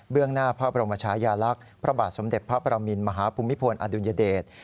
หน้าพระบรมชายาลักษณ์พระบาทสมเด็จพระประมินมหาภูมิพลอดุลยเดช